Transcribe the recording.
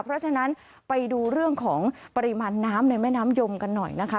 เพราะฉะนั้นไปดูเรื่องของปริมาณน้ำในแม่น้ำยมกันหน่อยนะคะ